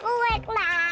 kau bebek lagi